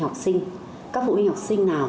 học sinh các phụ huynh học sinh nào